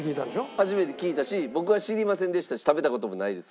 初めて聞いたし僕は知りませんでしたし食べた事もないです。